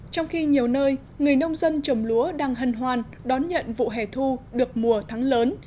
trong khi nhiều nơi người nông dân trồng lúa đang hân hoan đón nhận vụ hẻ thu được mùa thắng lớn